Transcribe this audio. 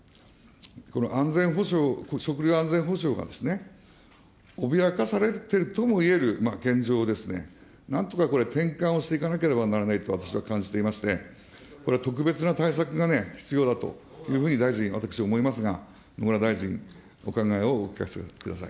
この安全保障、食料安全保障が、脅かされてるともいえる現状をですね、なんとかこれ、転換していかなければならないと私は感じていまして、これは特別な対策が必要だというふうに大臣、私、思いますが、野村大臣、お考えをお聞かせください。